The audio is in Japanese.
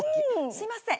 すいません